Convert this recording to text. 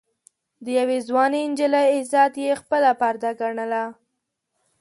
د يوې ځوانې نجلۍ عزت يې خپله پرده ګڼله.